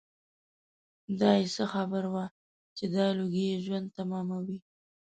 دای څه خبر و چې دا لوګي یې ژوند تماموي.